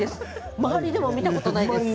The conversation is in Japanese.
周りでも見たことないです。